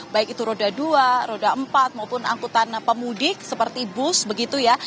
baik itu roda dua roda empat maupun angkutan pemudik seperti bus begitu ya